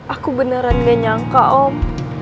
aku beneran gak nyangka om